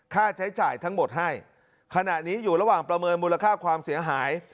ค่าใช้จ่ายทั้งหมดให้ขณะนี้อยู่ระหว่างประเมินมูลค่าความเสียหาย